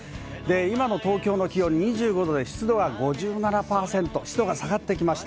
今の東京の気温、２５度で湿度は５７％、湿度が下がってきました。